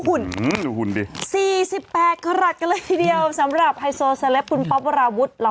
หุ่นอืมดูหุ่นสี่สิบแปดก็หลักกันเลยทีเดียวสำหรับคุณเรา